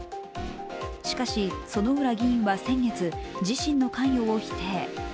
しかし、薗浦議員は先月自身の関与を否定。